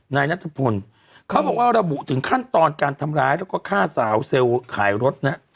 นายนัทพลเขาบอกว่าระบุถึงขั้นตอนการทำร้ายแล้วก็ฆ่าสาวเซลล์ขายรถนะ